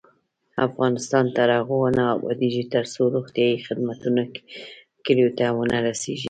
افغانستان تر هغو نه ابادیږي، ترڅو روغتیایی خدمتونه کلیو ته ونه رسیږي.